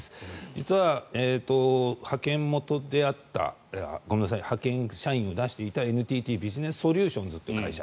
実は派遣社員を出していたＮＴＴビジネスソリューションズという会社。